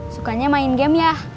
sukanya main game ya